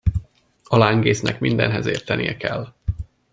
A lángésznek mindenhez értenie kell!